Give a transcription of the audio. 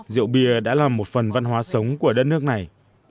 rượu bia đã là một phần văn hóa sống của đất nước này